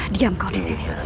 diam kau disini